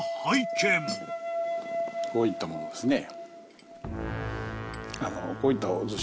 こういったものですね。